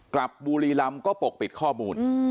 บุรีรำก็ปกปิดข้อมูล